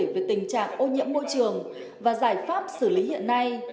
về tình trạng ô nhiễm môi trường và giải pháp xử lý hiện nay